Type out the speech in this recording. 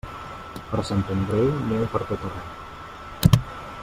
Per Sant Andreu, neu per tot arreu.